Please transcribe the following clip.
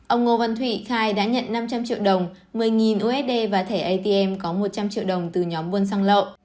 ông ngô văn thụy khai đã nhận năm trăm linh triệu đồng một mươi usd và thẻ atm có một trăm linh triệu đồng từ nhóm buôn xăng lậu